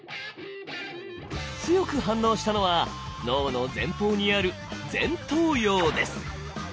強く反応したのは脳の前方にある前頭葉です。